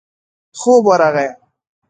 خوب ورغی.